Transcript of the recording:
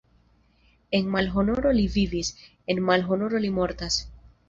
En malhonoro li vivis, en malhonoro li mortas!